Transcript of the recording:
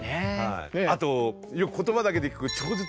あとよく言葉だけで聞く